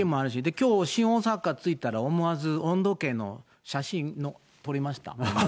きょう、新大阪着いたら、思わず、温度計の写真を撮りました。